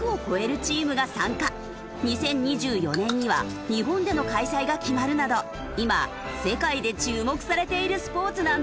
２０２４年には日本での開催が決まるなど今世界で注目されているスポーツなんです。